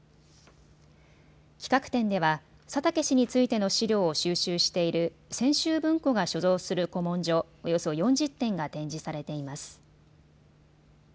企画展では佐竹氏についての史料を収集している千秋文庫が所蔵する古文書、およそ４０点が展示されています。